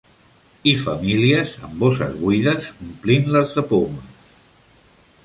I famílies amb bosses buides omplint-les de pomes.